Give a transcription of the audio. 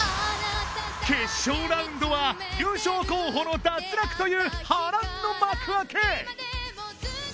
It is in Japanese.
決勝ラウンドは優勝候補の脱落という波乱の幕開け！